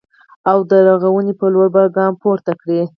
او د رغونې په لور به ګام پورته کړي